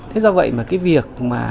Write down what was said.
thế do vậy mà cái việc